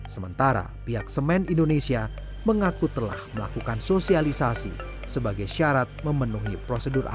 sementara pihak semen indonesia mengaku telah melakukan sosialisasi sebagai syarat memenuhi prosedur